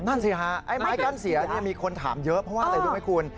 ไม้กั้นเสียนี่มีคนถามเยอะเพราะว่าเห้ยรูปไว้คุณ